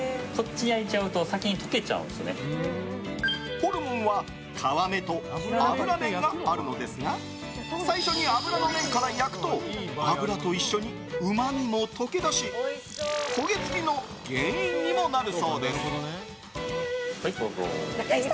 ホルモンは皮目と脂面があるのですが最初に脂の面から焼くと脂と一緒にうまみも溶け出し焦げ付きの原因にもなるそうです。